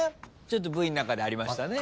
ちょっとＶの中でありましたね。